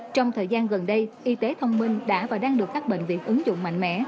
trong thời gian gần đây y tế thông minh đã và đang được các bệnh viện ứng dụng mạnh mẽ